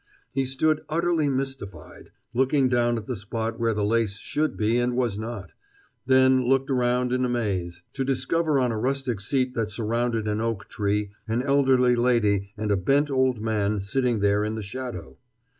He stood utterly mystified, looking down at the spot where the lace should be and was not; then looked around in a maze, to discover on a rustic seat that surrounded an oak tree an elderly lady and a bent old man sitting there in the shadow.